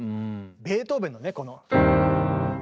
ベートーベンのねこの。